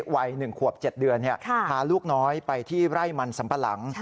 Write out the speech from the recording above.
วัย๑ขวบ๗เดือนพาลูกน้อยไปที่ไร่มันสัมปะหลัง